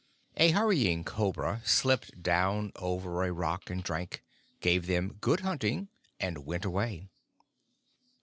A hurrying cobra slipped down over a rock and drank, gave them "Good hunting!" and went away.